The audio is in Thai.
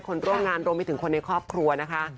คนร่วมงานรวมไปถึงคนในครอบครัวนะคะ